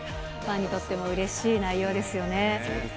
ファンにとってもうれしい内容ですよね。